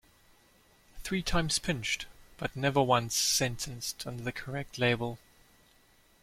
Three times pinched, but never once sentenced under the correct label.